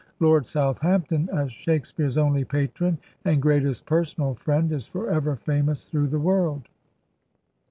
Lord Southampton, as Shake speare's only patron and greatest personal friend, is forever famous through the world.